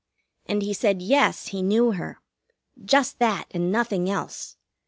And he said yes, he knew her. Just that, and nothing else.